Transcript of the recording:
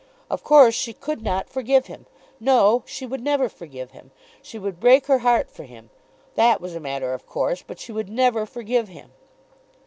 Of course she could not forgive him! No; she would never forgive him. She would break her heart for him. That was a matter of course; but she would never forgive him.